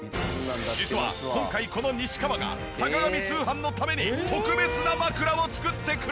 実は今回この西川が『坂上通販』のために特別な枕を作ってくれたという。